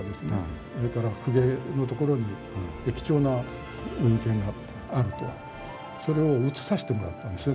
それから公家のところに貴重な文献があるとそれを写させてもらったんですね